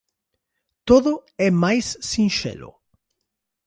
Todo é máis sinxelo.